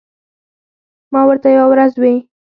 ما ورته یوه ورځ وې ـ